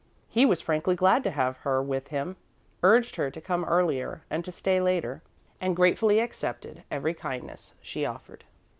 He was frankly glad to have her with him, urged her to come earlier and to stay later, and gratefully accepted every kindness she offered.